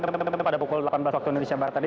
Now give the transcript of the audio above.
tapi pada pukul delapan belas waktu indonesia barat tadi